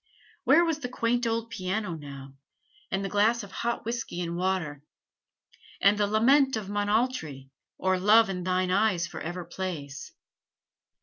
Where was the quaint old piano now; and the glass of hot whisky and water; and the 'Lament of Monaltrie,' or 'Love in thine eyes forever plays'?